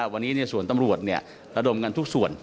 วันนี้ส่วนตำรวจระดมกันทุกส่วน